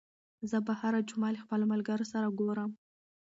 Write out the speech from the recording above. زه به هره جمعه له خپلو ملګرو سره ګورم.